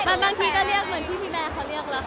ไม่เอ้อบางทีก็เรียกเหมือนที่พี่แบร์เขาเรียกเหรอคะ